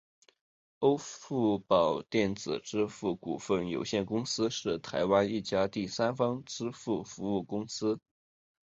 欧付宝电子支付股份有限公司是台湾一家第三方支付服务公司。